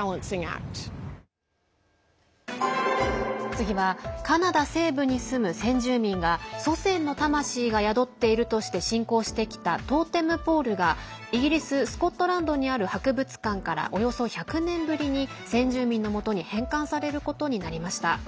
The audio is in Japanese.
次はカナダ西部に住む先住民が祖先の魂が宿っているとして信仰してきたトーテムポールがイギリス・スコットランドにある博物館からおよそ１００年ぶりに先住民のもとに返還されることになりました。